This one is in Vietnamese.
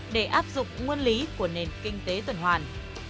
để áp dụng nguyên lý của nền kinh tế tuần hoàn